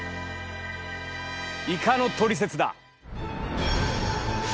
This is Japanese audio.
「イカのトリセツ」だ。